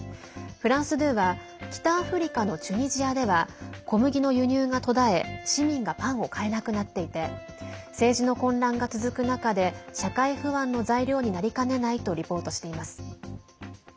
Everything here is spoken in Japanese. フランス２は北アフリカのチュニジアでは小麦の輸入が途絶え市民がパンを買えなくなっていて政治の混乱が続く中で社会不安の材料になりかねないとリポートしています。